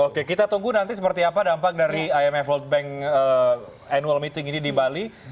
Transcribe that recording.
oke kita tunggu nanti seperti apa dampak dari imf world bank annual meeting ini di bali